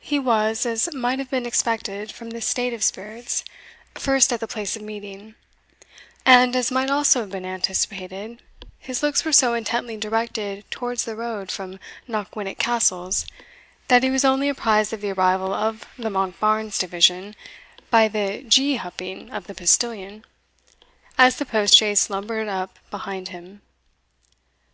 He was, as might have been expected from this state of spirits, first at the place of meeting, and, as might also have been anticipated, his looks were so intently directed towards the road from Knockwinnock Castles that he was only apprized of the arrival of the Monkbarns division by the gee hupping of the postilion, as the post chaise lumbered up behind him.